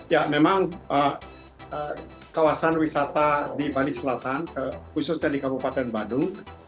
ya memang kawasan wisata di bali selatan khususnya di kabupaten badung